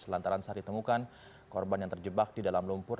selantaran saat ditemukan korban yang terjebak di dalam lumpur